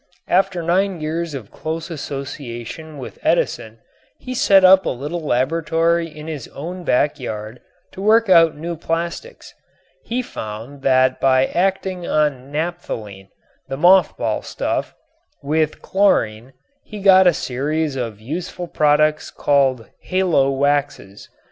After nine years of close association with Edison he set up a little laboratory in his own back yard to work out new plastics. He found that by acting on naphthalene the moth ball stuff with chlorine he got a series of useful products called "halowaxes."